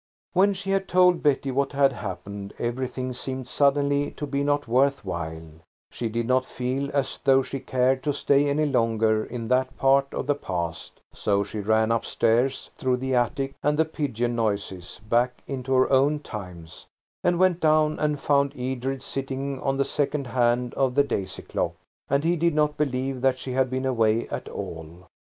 When she had told Betty what had happened everything seemed suddenly to be not worth while; she did not feel as though she cared to stay any longer in that part of the past–so she ran upstairs, through the attic and the pigeon noises, back into her own times, and went down and found Edred sitting on the second hand of the daisy clock; and he did not believe that she had been away at all.